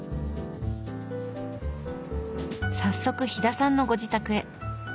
早速飛田さんのご自宅へ。